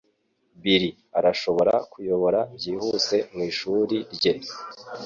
Bill arashobora kuyobora byihuse mwishuri rye.